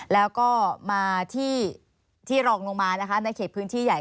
แล้วก็มาที่รองลงมานะคะในเขตพื้นที่ใหญ่